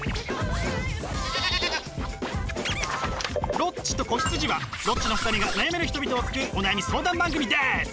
「ロッチと子羊」はロッチの２人が悩める人々を救うお悩み相談番組です！